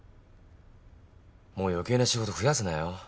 もう余計な仕事増やすなよ。